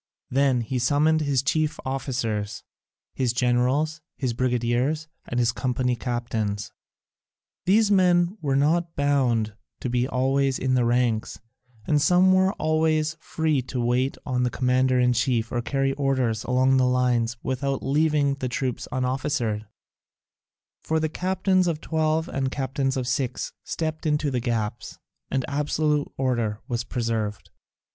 Then he summoned his chief officers, his generals, his brigadiers, and his company captains. These men were not bound to be always in the ranks, and some were always free to wait on the commander in chief or carry orders along the lines without leaving the troops unofficered: for the captains of twelve and the captains of six stepped into the gaps, and absolute order was preserved.